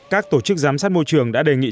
các tổ chức giám sát môi trường đã đề nghị